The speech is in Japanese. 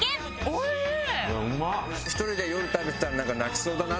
おいしい！